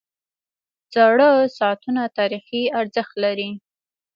• زاړه ساعتونه تاریخي ارزښت لري.